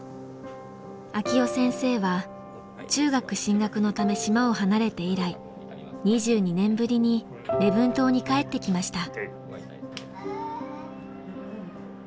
晃生先生は中学進学のため島を離れて以来２２年ぶりに礼文島に帰ってきました。